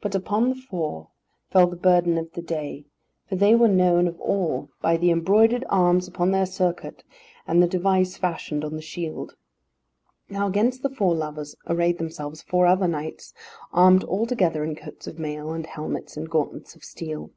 But upon the four fell the burden of the day, for they were known of all by the embroidered arms upon their surcoat, and the device fashioned on the shield. Now against the four lovers arrayed themselves four other knights, armed altogether in coats of mail, and helmets and gauntlets of steel.